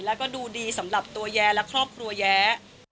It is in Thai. แล้วก็ดูดีสำหรับตัวแย้และครอบครัวแย้